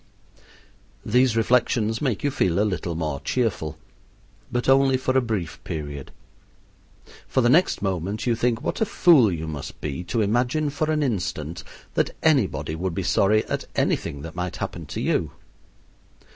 These reflections make you feel a little more cheerful, but only for a brief period; for the next moment you think what a fool you must be to imagine for an instant that anybody would be sorry at anything that might happen to you.